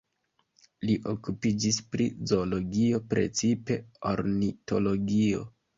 Li okupiĝis pri zoologio, precipe ornitologio.